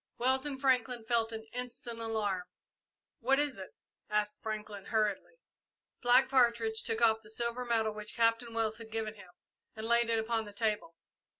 Wells and Franklin felt an instant alarm. "What is it?" asked Franklin, hurriedly. Black Partridge took off the silver medal which Captain Wells had given to him and laid it on the table.